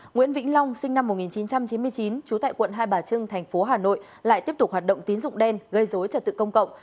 nguyễn vĩnh long sinh năm một nghìn chín trăm chín mươi chín trú tại quận hai bà trưng thành phố hà nội lại tiếp tục hoạt động tín dụng đen gây dối trật tự công cộng